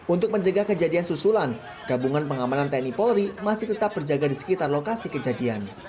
untuk menjaga kejadian susulan gabungan pengamanan tni polri masih tetap berjaga di sekitar lokasi kejadian